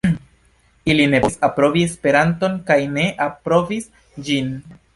Ili ne povis aprobi Esperanton kaj ne aprobis ĝin.